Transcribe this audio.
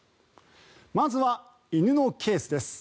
まずは犬のケースです。